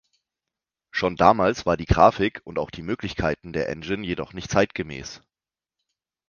Schon damals war die Grafik und auch die Möglichkeiten der Engine jedoch nicht zeitgemäß.